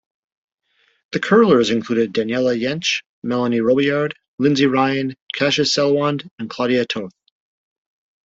The curlers included Daniela Jentsch, Melanie Robillard, Lynsay Ryan, Kasia Selwand and Claudia Toth.